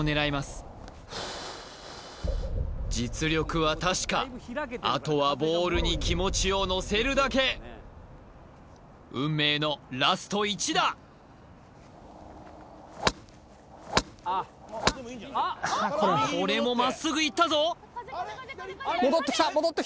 ふう実力は確かあとはボールに気持ちをのせるだけ運命のラスト１打これもまっすぐ行ったぞ